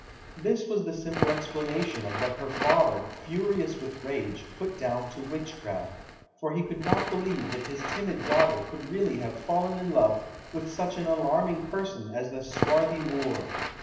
This was the simple explanation of what her father, furious with rage, put down to witchcraft, for he could not believe that his timid daughter could really have fallen in love with such an alarming person as the swarthy Moor.